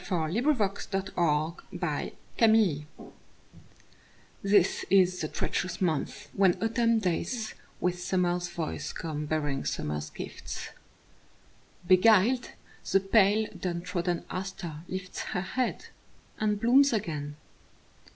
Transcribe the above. Helen Hunt Jackson November THIS is the treacherous month when autumn days With summer's voice come bearing summer's gifts. Beguiled, the pale down trodden aster lifts Her head and blooms again.